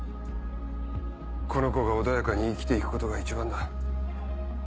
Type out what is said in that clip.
この子が穏やかに生きて行くことが一番だ。